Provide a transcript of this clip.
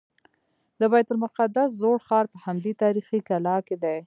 د بیت المقدس زوړ ښار په همدې تاریخي کلا کې دی.